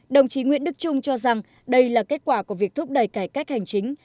đồng chí nguyễn đức trung cho rằng đây là kết quả của việc thúc đẩy cải cách hành chính